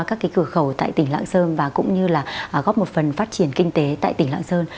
các cái cửa khẩu tại tỉnh lạng sơn và cũng như là góp một phần phát triển kinh tế tại tỉnh lạng sơn